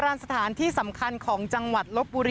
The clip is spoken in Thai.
บริเวณหน้าสารพระการอำเภอเมืองจังหวัดลบบุรี